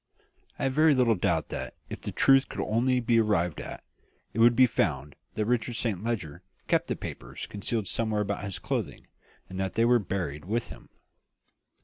I have very little doubt that, if the truth could only be arrived at, it would be found that Richard Saint Leger kept the papers concealed somewhere about his clothing, and that they were buried with him."